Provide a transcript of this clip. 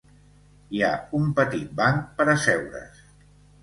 Hi ha un petit banc per asseure's.